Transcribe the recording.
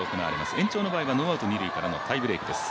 延長の場合はノーアウト二塁からのタイブレークです。